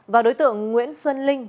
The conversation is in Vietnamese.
và đối tượng nguyễn xuân linh